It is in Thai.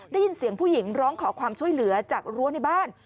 ได้ยินเสียงผู้หญิงร้องขอความช่วยเหลือจากรั้วในบ้าน